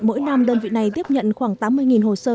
mỗi năm đơn vị này tiếp nhận khoảng tám mươi hồ sơ